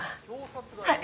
はい。